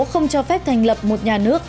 không cho phép thành lập một nhà nước